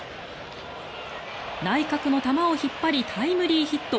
内角の球を引っ張りタイムリーヒット。